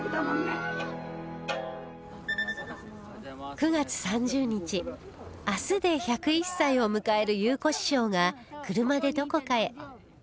９月３０日明日で１０１歳を迎える祐子師匠が車でどこかへ